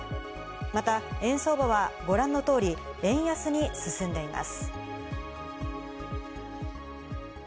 また円相場はご覧の通り円安に進んでいます。